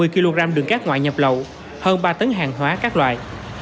một mươi sáu bốn trăm hai mươi kg đường cát ngoại nhập lậu hơn ba tấn hàng hóa các loại